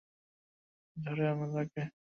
ধরে আনো তাকে।